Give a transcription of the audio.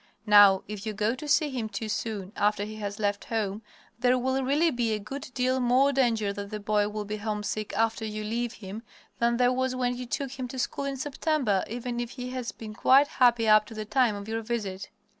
Now, if you go to see him too soon after he has left home there will really be a good deal more danger that the boy will be homesick after you leave him than there was when you took him to school in September, even if he has been quite happy up to the time of your visit.